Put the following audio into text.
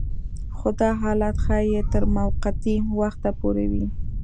خو دا حالت ښايي تر موقتي وخته پورې وي